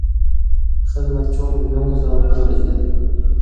خېلىلا چوڭ يۇڭ زاۋۇتى بار ئىدى.